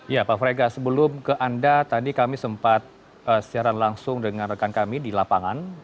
ya pak frega sebelum ke anda tadi kami sempat siaran langsung dengan rekan kami di lapangan